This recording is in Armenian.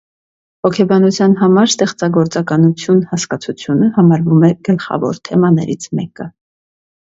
Հոգեբանության համար ստեղծագործականություն հասկացությունը համարվում է գլխավոր թեմաներից մեկը։